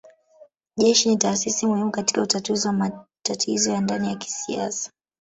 Jeshi ni taasisi muhimu katika utatuzi wa matatizo ya ndani ya kisiasa